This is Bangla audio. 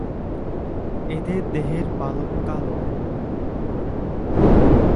এদের দেহের পালক কালো।